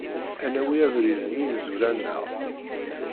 Ad nawi abrid n yimezwura-nneɣ.